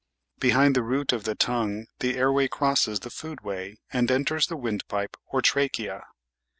Behind the root of the tongue the air way crosses the food way and enters the windpipe or trachea.